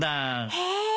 へえ。